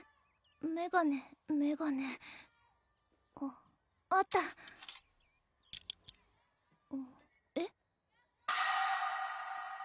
メガネメガネあっあったえっ？